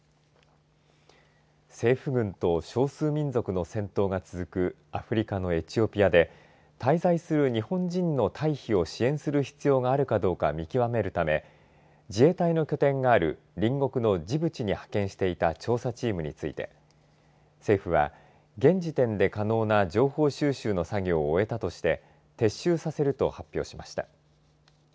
政府軍と少数民族の戦闘が続くアフリカのエチオピアで滞在する日本人の退避を支援する必要があるかどうか見極めるため自衛隊の拠点がある隣国のジブチに派遣していた調査チームについて政府は現時点で可能な情報収集の作業を終えたとして撤収させると発表しました。